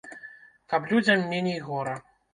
Каб людзям меней гора!